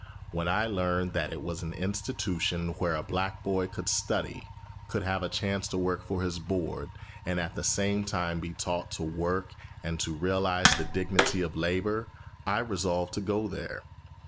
When I learned that it was an institution where a black boy could study, could have a chance to work for his board, and at the same time be taught how to work and to realise the dignity of labor, I resolved to go there.